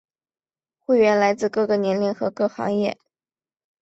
会员来自各个年龄和各行各业。